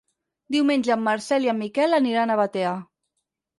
Diumenge en Marcel i en Miquel aniran a Batea.